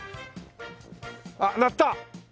あっ鳴った！